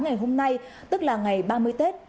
ngày hôm nay tức là ngày ba mươi tết